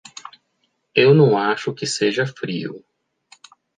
Eu não acho que seja frio.